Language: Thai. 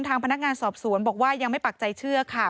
ทางพนักงานสอบสวนบอกว่ายังไม่ปักใจเชื่อค่ะ